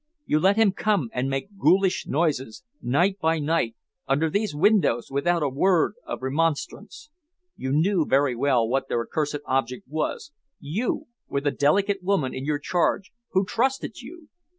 You let him come and make his ghoulish noises, night by night, under these windows, without a word of remonstrance. You knew very well what their accursed object was you, with a delicate woman in your charge who trusted you.